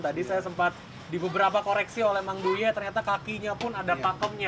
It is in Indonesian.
tadi saya sempat di beberapa koreksi oleh mang duya ternyata kakinya pun ada pakemnya